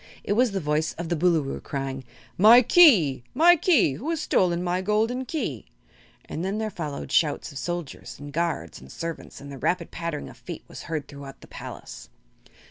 It was the voice of the Boolooroo, crying: "My Key my Key! Who has stolen my golden Key?" And then there followed shouts of soldiers and guards and servants and the rapid pattering of feet was heard throughout the palace.